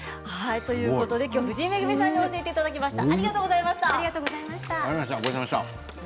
今日は藤井恵さんに教えていただきました。